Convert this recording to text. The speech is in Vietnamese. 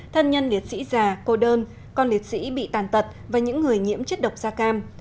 thân nhân liệt sĩ già cô đơn con liệt sĩ bị tàn tật và những người nhiễm chất độc da cam